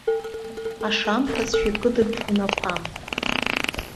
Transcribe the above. Ашамҭазшәа икыдбгон ақәа.